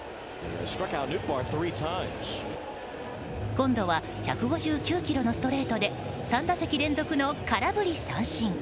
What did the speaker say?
今度は１５９キロのストレートで３打席連続の空振り三振。